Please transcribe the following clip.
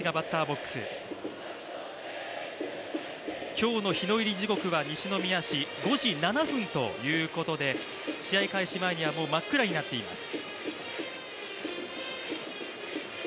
今日の日の入り時刻は西宮市５時７分ということで試合開始前にはもう真っ暗になっています。